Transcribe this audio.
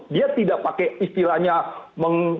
dia tidak pakai istilahnya